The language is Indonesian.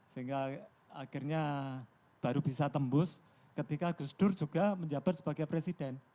sehingga akhirnya baru bisa tembus ketika gus dur juga menjabat sebagai presiden